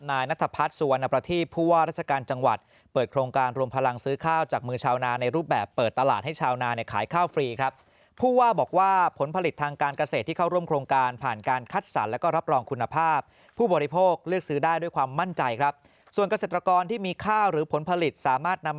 นายนัทพัดสัวนประทิบผู้ว่ารัฐกาลจังหวัดเปิดโครงการรวมพลังซื้อข้าวจากมือชาวนานในรูปแบบเปิดตลาดให้ชาวนาน